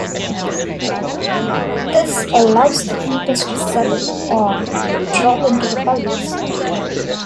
This allows the fetus to settle or "drop" into the pelvis.